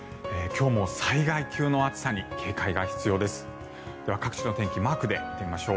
今日も災害級の暑さに警戒が必要です。